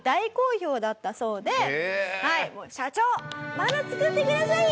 また作ってくださいよ！」